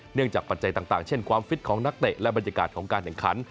จากปัจจัยต่างเช่นความฟิตของนักเตะและบรรยากาศของการแข่งขัน